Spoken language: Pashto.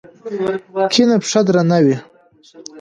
کيڼه پښه درنه وه.